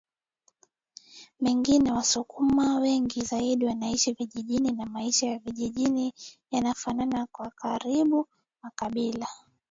mengine wasukuma wengi zaidi wanaishi vijijini na maisha ya vijijini yanafanana kwa karibu makabila